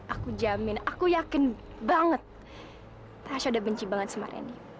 aku jamin aku yakin banget rasa udah benci banget sama reni